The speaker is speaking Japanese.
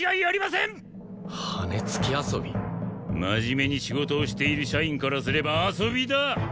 真面目に仕事をしている社員からすれば遊びだ！